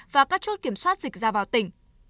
và các chốt kiểm soát dịch ra vào tỉnh